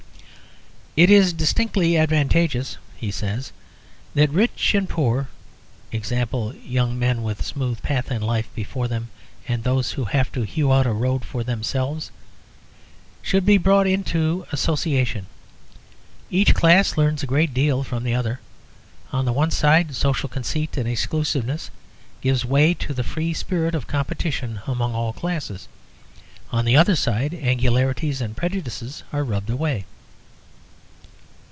"It is distinctly advantageous," he says, "that rich and poor i. e., young men with a smooth path in life before them, and those who have to hew out a road for themselves should be brought into association. Each class learns a great deal from the other. On the one side, social conceit and exclusiveness give way to the free spirit of competition amongst all classes; on the other side, angularities and prejudices are rubbed away."